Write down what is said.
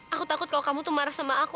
aku takut kalau kamu tuh marah sama aku